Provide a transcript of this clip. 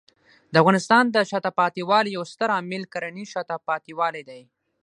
د افغانستان د شاته پاتې والي یو ستر عامل کرنېز شاته پاتې والی دی.